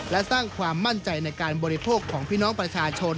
และสร้างความมั่นใจในการบริโภคของพี่น้องประชาชน